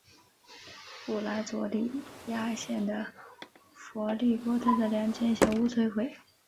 布拉佐里亚县的弗里波特的两间小屋摧毁。